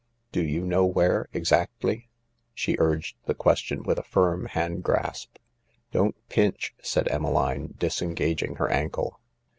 Do you know where, exactly ?" She urged the question with a firm hand grasp, "Don't pinch," said Emmeline, disengaging her ankle.